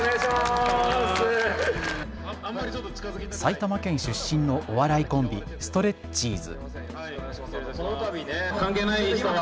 埼玉県出身のお笑いコンビ、ストレッチーズ。